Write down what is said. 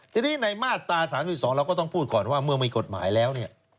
ทีนี้ในมาตรา๓๒เราก็ต้องพูดก่อนว่าเมื่อมีกฎหมายแล้วเนี่ย